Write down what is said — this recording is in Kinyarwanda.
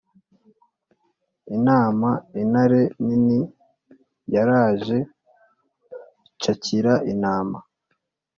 Intama intare nini yaraje icakira intama